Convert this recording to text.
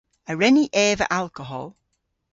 A wren ni eva alkohol?